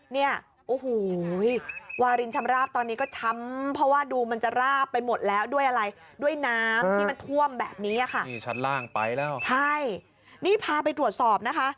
นี่พาไปตรวจสอบนะคะ